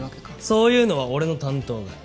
そういうのは俺の担当外。